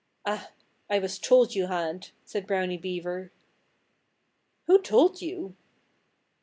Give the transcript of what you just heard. "Ah! I was told you had," said Brownie Beaver. "Who told you?"